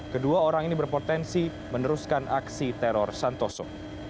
kedua orang ini berpotensi meneruskan aksi teror santoso